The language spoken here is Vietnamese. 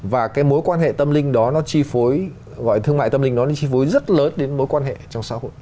và cái mối quan hệ tâm linh đó nó chi phối gọi là thương mại tâm linh đó nó chi phối rất lớn đến mối quan hệ trong xã hội